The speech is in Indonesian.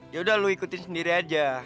yaudah lu ikutin sendiri aja